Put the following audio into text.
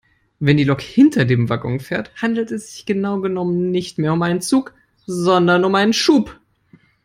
Wenn die Lok hinter den Waggons fährt, handelt es sich genau genommen nicht mehr um einen Zug sondern um einen Schub.